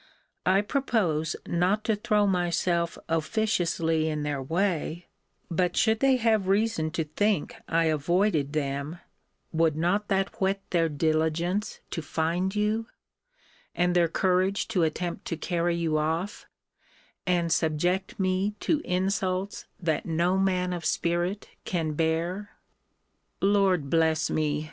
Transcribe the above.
I propose not to throw myself officiously in their way; but should they have reason to think I avoided them, would not that whet their diligence to find you, and their courage to attempt to carry you off, and subject me to insults that no man of spirit can bear? Lord bless me!